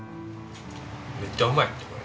めっちゃうまいってこれ。